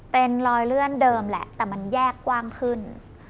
เป็นรอยเลื่อนเดิมแหละแต่มันแยกกว้างขึ้น